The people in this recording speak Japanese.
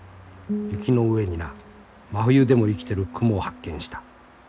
雪の上にな真冬でも生きてるクモを発見した』。